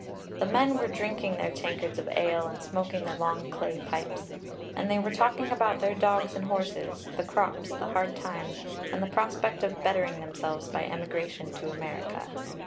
The men were drinking their tankards of ale and smoking their long clay pipes; and they were talking about their dogs and horses, the crops, the hard times, and the prospect of bettering themselves by emigration to America.